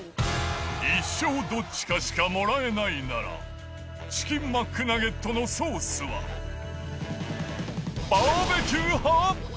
一生どっちかしかもらえないなら、チキンマックナゲットのソースは、バーベキュー派？